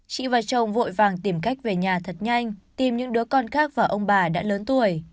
chị và chồng vội vàng tìm cách về nhà thật nhanh tìm những đứa con khác và ông bà đã lớn tuổi